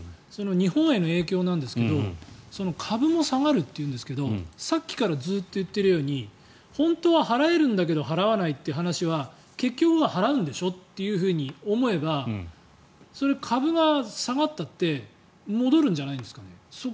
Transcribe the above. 日本への影響なんですけど株も下がるというんですけどさっきからずっと言っているように本当は払えるんだけど払わないって話は結局は払うんでしょって思えばそれは株が下がったって戻るんじゃないですか。